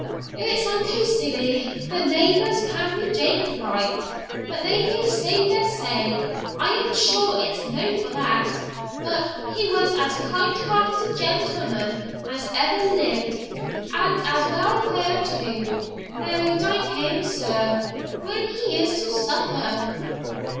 It's unco silly the neighbours ca' me a Jacobite, but they may say their say I am sure it's no for that but he was as kind hearted a gentleman as ever lived, and as weel fa'rd too. Oh, d'ye ken, sir, when he is to suffer?'